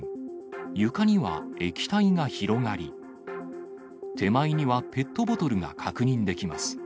床には液体が広がり、手前にはペットボトルが確認できます。